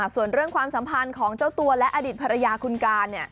ส่วนเรื่องความสัมพันธ์ของเจ้าตัวและอดีตภรรยาคุณการ